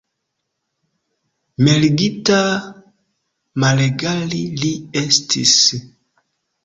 Mergita, malegala li estis!